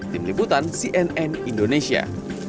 tim liputan cnn indonesia